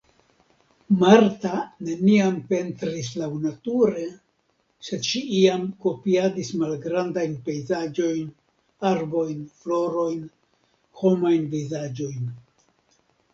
Marta neniam pentris laŭnature, sed ŝi iam kopiadis malgrandajn pejzaĝojn, arbojn, florojn, homajn vizaĝojn.